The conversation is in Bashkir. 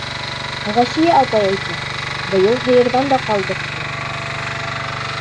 Ғәшиә апай әйтә, быйыл һыйырҙан да ҡалдыҡ, ти.